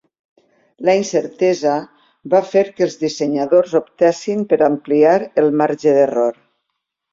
La incertesa va fer que els dissenyadors optessin per ampliar el marge d’error.